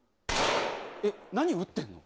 えっ、何撃ってんの？